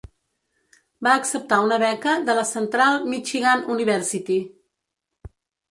Va acceptar una beca de la Central Michigan University.